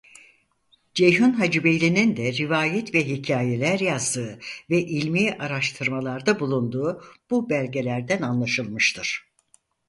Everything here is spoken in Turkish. Ceyhun Hacıbeyli'nin de rivâyet ve hikâyeler yazdığı ve ilmî araştırmalarda bulunduğu bu belgelerden anlaşılmıştır.